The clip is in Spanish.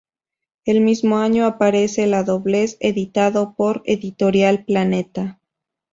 El mismo año aparece "La doblez," editado por Editorial Planeta.